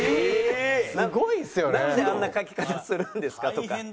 「なんであんな書き方するんですか？」とか。